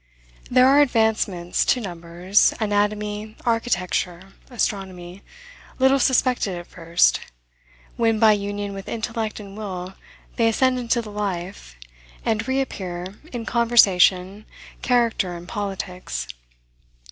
There are advancements to numbers, anatomy, architecture, astronomy, little suspected at first, when, by union with intellect and will, they ascend into the life, and re appear in conversation, character and politics.